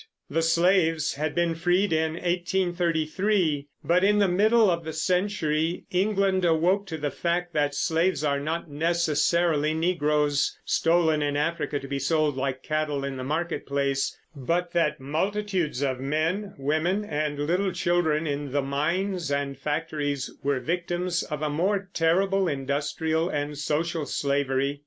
The slaves had been freed in 1833; but in the middle of the century England awoke to the fact that slaves are not necessarily negroes, stolen in Africa to be sold like cattle in the market place, but that multitudes of men, women, and little children in the mines and factories were victims of a more terrible industrial and social slavery.